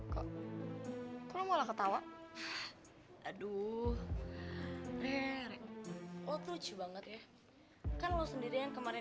kok kamu malah ketawa aduh lucu banget ya kan lo sendiri yang kemarin